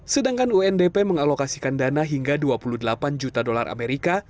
sedangkan undp mengalokasikan dana hingga dua puluh delapan juta dolar amerika